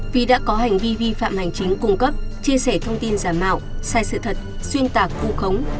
vì đã có hành vi vi phạm hành chính cung cấp chia sẻ thông tin giả mạo sai sự thật xuyên tạc vu khống